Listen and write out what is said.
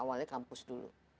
awalnya kampus dulu